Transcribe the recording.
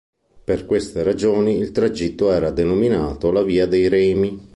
Per queste ragioni, il tragitto era denominato la Via dei remi.